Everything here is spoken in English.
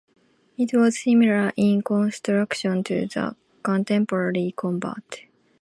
It was similar in construction to the contemporary Covert.